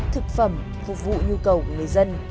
thực phẩm phục vụ nhu cầu của người dân